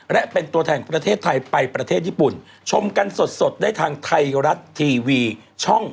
และเป็นตัวแทนของประเทศไทยไปประเทศญี่ปุ่นชมกันสดได้ทางไทยรัฐทีวีช่อง๓